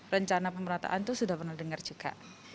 rencana pemerataan itu sudah pernah dengar juga